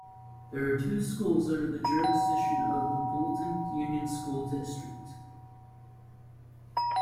There are two schools under the jurisdiction of the Buellton Union School District.